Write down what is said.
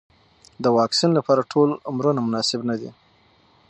د واکسین لپاره ټول عمرونه مناسب نه دي.